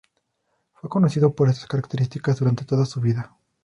Fue conocido por estas características durante toda su vida.